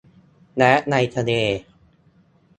และในทะเล